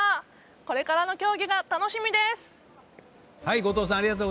これからの競技が楽しみです！